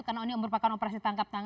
karena ini merupakan operasi